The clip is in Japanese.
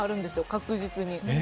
確実に。